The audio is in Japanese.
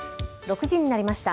６時になりました。